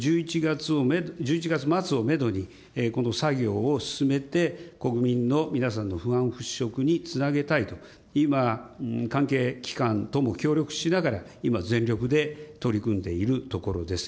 １１月末をメドにこの作業を進めて、国民の皆さんの不安払拭につなげたいと、今、関係機関とも協力しながら、今、全力で取り組んでいるところです。